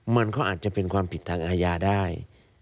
มันก็อาจจะเป็นความผิดทางอาญาได้